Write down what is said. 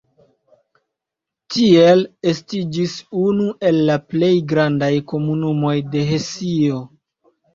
Tiel estiĝis unu el la plej grandaj komunumoj de Hesio.